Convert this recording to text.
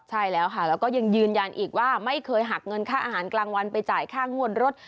ใช่แล้วค่ะแล้วก็ยังยืนยันอีกว่าไม่เคยหักเงินค่าอาหารกลางวันไปจ่ายค่างวดรถ